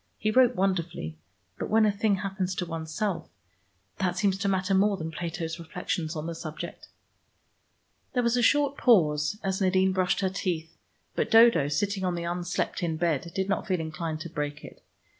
He wrote wonderfully, but when a thing happens to oneself, that seems to matter more than Plato's reflections on the subject." There was a short pause as Nadine brushed her teeth, but Dodo sitting on the unslept in bed did not feel inclined to break it.